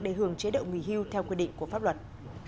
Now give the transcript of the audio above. để hưởng chế độ nghỉ hưu theo quy định của pháp luật